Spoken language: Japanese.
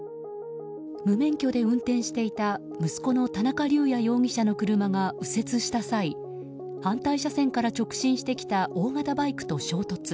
無免許で運転していた息子の田中龍也容疑者の車が右折した際、反対車線から直進してきた大型バイクと衝突。